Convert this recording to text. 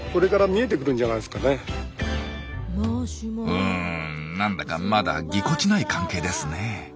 うんなんだかまだぎこちない関係ですねえ。